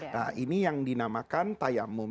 nah ini yang dinamakan tayamum